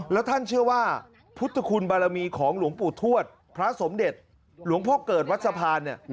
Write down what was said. แล้วท่านเชื่อว่าพุทธคุณบารมีของหลวงปู่ทวดพระสมเด็จหลวงพ่อเกิดวัดสะพาน